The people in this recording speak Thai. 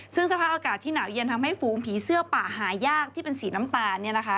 ซึ่งสภาพอากาศที่หนาวเย็นทำให้ฝูงผีเสื้อป่าหายากที่เป็นสีน้ำตาล